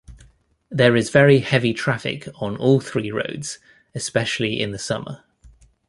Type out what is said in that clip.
There is very heavy traffic on all three roads, especially in the summer.